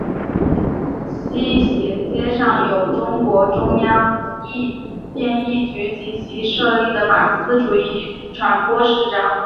西斜街上有中共中央编译局及其设立的马克思主义传播史展览馆。